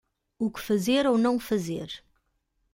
O que fazer ou não fazer